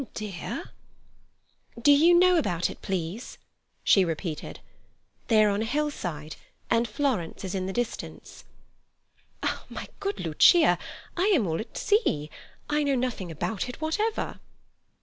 "Dear—?" "Do you know about it, please?" she repeated. "They are on a hillside, and Florence is in the distance." "My good Lucia, I am all at sea. I know nothing about it whatever."